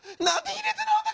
卑劣な男！